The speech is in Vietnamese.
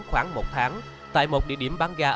khoảng một tháng tại một địa điểm bán gas